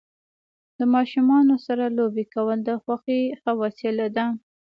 د ماشومانو سره لوبې کول د خوښۍ ښه وسیله ده.